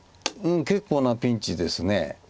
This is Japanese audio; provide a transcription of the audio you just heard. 結構なピンチです。